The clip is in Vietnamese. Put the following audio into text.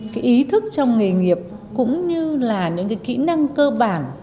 cái ý thức trong nghề nghiệp cũng như là những cái kỹ năng cơ bản